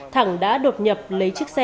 thẳng đã đột nhập lấy chiếc xe